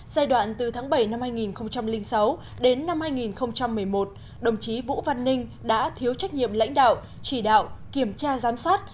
giai đoạn từ tháng bảy năm hai nghìn sáu đến năm hai nghìn một mươi một đồng chí vũ văn ninh đã thiếu trách nhiệm lãnh đạo chỉ đạo kiểm tra giám sát